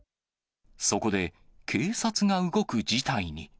そこで、警察が動く事態に。